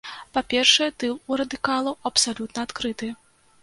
Па-першае, тыл у радыкалаў абсалютна адкрыты.